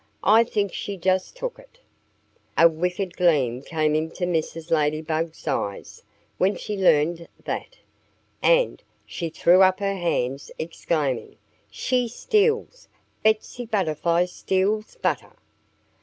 "I think she just took it." A wicked gleam came into Mrs. Ladybug's eyes when she learned that. And she threw up her hands, exclaiming, "She steals! Betsy Butterfly steals butter!